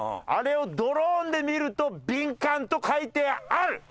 あれをドローンで見ると「ビンカン」と書いてある。